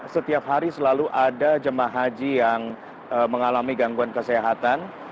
setiap hari selalu ada jemaah haji yang mengalami gangguan kesehatan